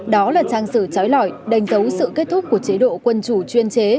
đó là trang sử trói lỏi đánh dấu sự kết thúc của chế độ quân chủ chuyên chế